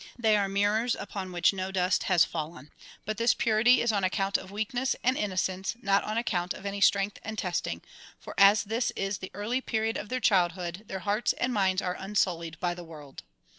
They are mir rors upon which no dust has fallen. But this purity is on account of weakness and innocence, not on account of any strength and test ing, for as this is the early period of their childhood their hearts and minds are unsullied by the world.